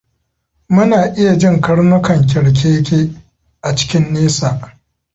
Muna iya jin karnukan kyarkeke a cikin nesa.